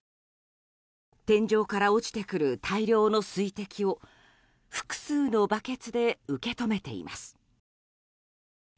天井から落ちてくる大量の水滴を複数のバケツで受け止めています。